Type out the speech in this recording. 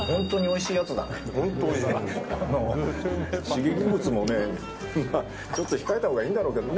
刺激物もね、ちょっと控えたほうがいいんだろうけど。